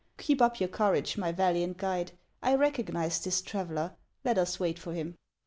" Keep up your courage, my valiant guide ; I recognize this traveller. Let us wait for him."